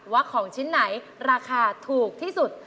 ของชิ้นไหนราคาถูกที่สุด